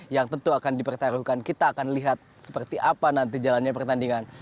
yang tentu akan dipertaruhkan kita akan lihat seperti apa nanti jalannya pertandingan